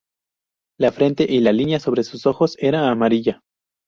La frente y la línea sobre sus ojos era amarilla.